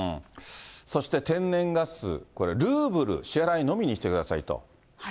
そして天然ガス、これ、ルーブル支払いのみにしてくださいと。